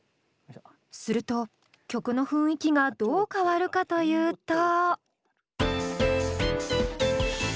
すると曲の雰囲気がどう変わるかというと。